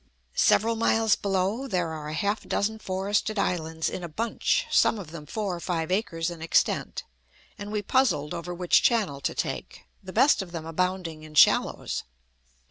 Several miles below, there are a half dozen forested islands in a bunch, some of them four or five acres in extent, and we puzzled over which channel to take, the best of them abounding in shallows.